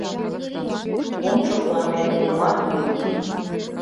Ом шыплане, омат лӱд: